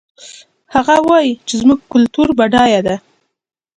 هغه وایي چې زموږ کلتور بډایه ده